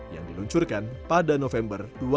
yang diluncurkan pada november dua ribu lima belas